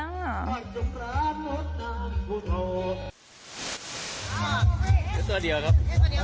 นี่ตัวเดียวครับ